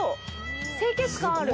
清潔感ある。